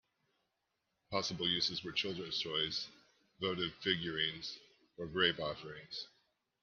Possible uses were children's toys, votive figurines or grave offerings.